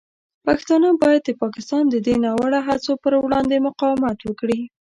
پښتانه باید د پاکستان د دې ناوړه هڅو پر وړاندې مقاومت وکړي.